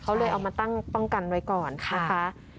เขาเลยเอามาตั้งป้องกันไว้ก่อนนะคะ